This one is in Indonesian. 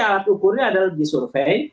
alat ukurnya adalah disurvey